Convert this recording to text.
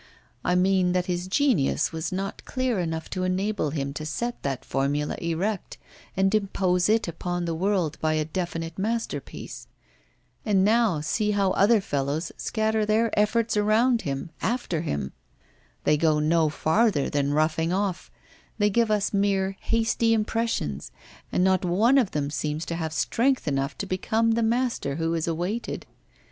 I mean that his genius was not clear enough to enable him to set that formula erect and impose it upon the world by a definite masterpiece. And now see how other fellows scatter their efforts around him, after him! They go no farther than roughing off, they give us mere hasty impressions, and not one of them seems to have strength enough to become the master who is awaited.